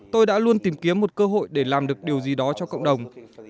tôi đã luôn tìm kiếm một cơ hội để làm được điều gì đó cho cộng đồng